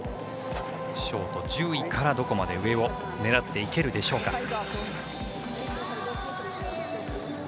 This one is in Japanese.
ショート、１０位からどこまで上を狙っていけるでしょうか。